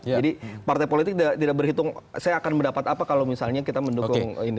jadi partai politik tidak berhitung saya akan mendapat apa kalau misalnya kita mendukung ini